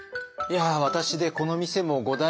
いや私でこの店も五代目。